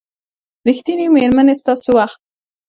ریښتینې میرمنې ستاسو وخت